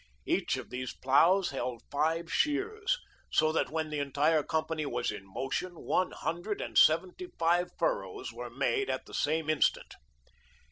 Each of these ploughs held five shears, so that when the entire company was in motion, one hundred and seventy five furrows were made at the same instant.